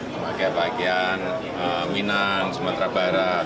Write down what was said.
memakai pakaian minang sumatera barat